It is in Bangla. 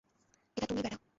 এটা তুমিই ব্যাটা।